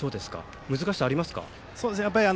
難しさありますか。